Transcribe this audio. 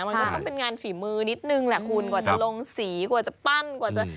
มันก็ต้องเป็นงานฝีมือนิดนึงแหละคุณกว่าจะลงสีกว่าจะปั้นกว่าจะ